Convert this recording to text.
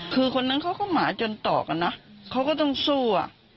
คือคนนั้นเขาก็หมาจนตอกกันนะเขาก็ต้องสู้อ่ะ